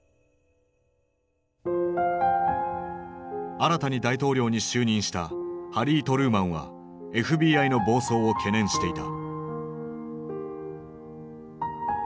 新たに大統領に就任したハリー・トルーマンはＦＢＩの暴走を懸念していた。